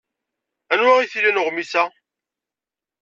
Anwa ay t-ilan uɣmis-a?